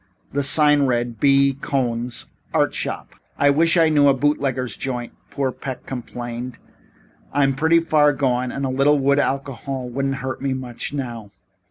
The sign read: B. COHN'S ART SHOP. "I wish I knew a bootlegger's joint," poor Peck complained. "I'm pretty far gone and a little wood alcohol couldn't hurt me much now.